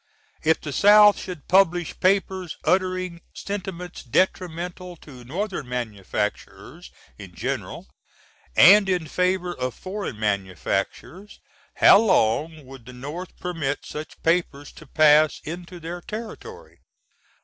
If the South should publish papers uttering sentiments detrimental to Northern manufactories (in general) & in favor of foreign manufac's, how long would the North permit such papers to pass into their territory?